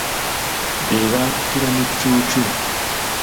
Be baatuttira ne Cuucu.